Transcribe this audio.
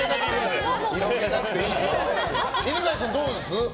犬飼君、どうです？